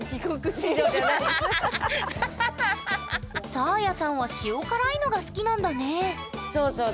サーヤさんは塩辛いのが好きなんだねそうそう。